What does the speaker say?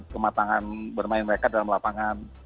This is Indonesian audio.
kematangan bermain mereka dalam lapangan